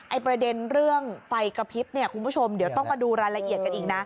ประเด็นเรื่องไฟกระพริบเนี่ยคุณผู้ชมเดี๋ยวต้องมาดูรายละเอียดกันอีกนะ